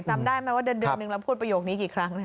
จำได้ไหมว่าเดือนนึงเราพูดประโยคนี้กี่ครั้ง